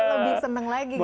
lebih seneng lagi gitu